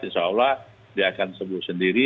insya allah dia akan sembuh sendiri